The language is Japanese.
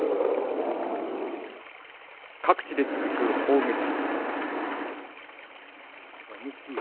各地で続く砲撃。